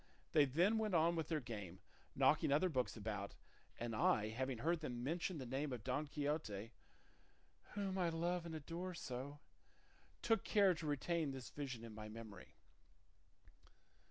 They then went on with their game, knocking other books about; and I, having heard them mention the name of Don Quixote whom I love and adore so, took care to retain this vision in my memory."